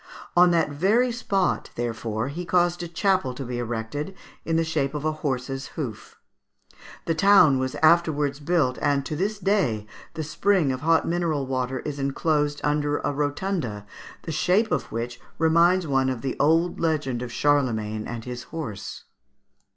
On that very spot therefore he caused a chapel to be erected, in the shape of a horse's hoof. The town was afterwards built, and to this day the spring of hot mineral water is enclosed under a rotunda, the shape of which reminds one of the old legend of Charlemagne and his horse.